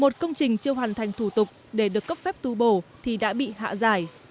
một công trình chưa hoàn thành thủ tục để được cấp phép tu bổ thì đã bị hạ giải